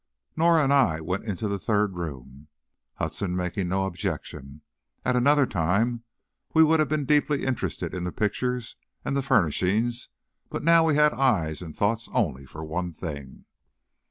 Norah and I went into the third room, Hudson making no objection. At another time we would have been deeply interested in the pictures and the furnishings but now we had eyes and thoughts only for one thing.